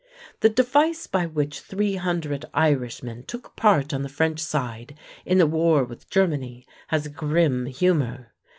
The device by which 300 Irishmen took part on the French side in the war with Germany has a grim humor.